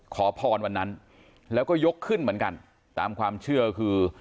ขอพรวันนั้นแล้วก็ยกขึ้นเหมือนกันตามความเชื่อคือ